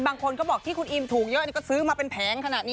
บางคนก็บอกที่คุณอิมถูกเยอะก็ซื้อมาเป็นแผงขนาดนี้